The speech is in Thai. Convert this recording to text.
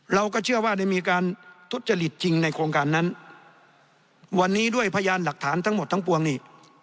เราก็เชื่อว่าได้มีการทุจริตจริงในโครงการนั้นวันนี้ด้วยพยานหลักฐานทั้งหมดทั้งปวงนี่